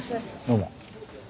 どうも。